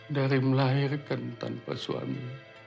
dari melahirkan tanpa suami